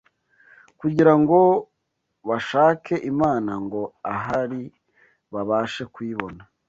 kugira ngo bashake Imana, ngo ahari babashe kuyibona